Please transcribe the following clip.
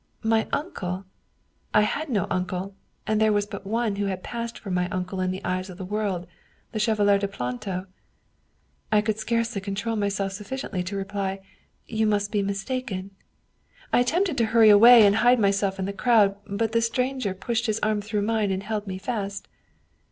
' My uncle?' I had no uncle, and there was but one who had passed for my uncle in the eyes of the world, the Chevalier de Planto. I could scarcely control myself sufficiently to reply, ' You must be mistaken/ I attempted to hurry away and hide myself in the crowd, but the stranger pushed his arm through mine and held me fast.